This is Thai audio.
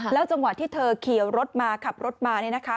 จังหวะที่เธอขี่รถมาขับรถมาเนี่ยนะคะ